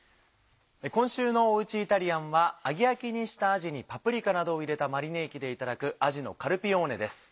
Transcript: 今週のおうちイタリアンは揚げ焼きにしたあじにパプリカなどを入れたマリネ液でいただく「あじのカルピオーネ」です。